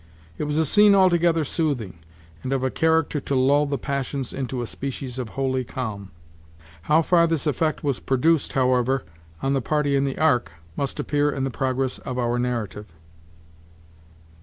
It was a scene altogether soothing, and of a character to lull the passions into a species of holy calm. How far this effect was produced, however, on the party in the ark, must appear in the progress of our narrative.